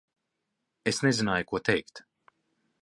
Es nezināju, ko teikt.